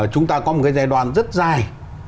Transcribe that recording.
chúng ta có một cái giai đoạn rất dài